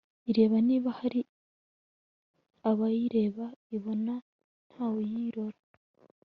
ireba niba hari abayireba, ibona ntawe uyirora